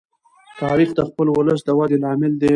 تاریخ د خپل ولس د ودې لامل دی.